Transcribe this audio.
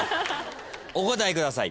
お答えください。